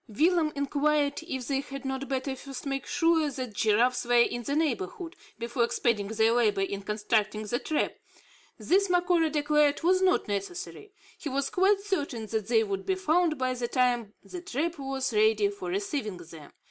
Willem inquired if they had not better first make sure that giraffes were in the neighbourhood, before expending their labour in constructing the trap. This Macora declared was not necessary. He was quite certain that they would be found by the time the trap was ready for receiving them.